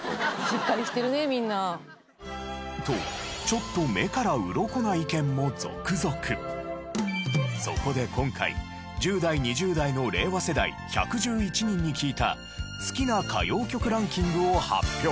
しっかりしてるねみんな。とちょっとそこで今回１０代・２０代の令和世代１１１人に聞いた好きな歌謡曲ランキングを発表！